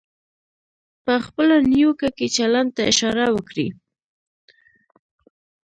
په خپله نیوکه کې چلند ته اشاره وکړئ.